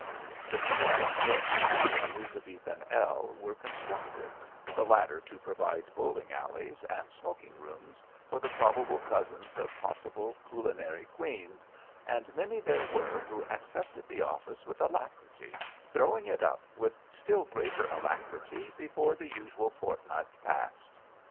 The Queen Anne wing and Elizabethan ell were constructed, the latter to provide bowling alleys and smoking rooms for the probable cousins of possible culinary queens, and many there were who accepted the office with alacrity, throwing it up with still greater alacrity before the usual fortnight passed.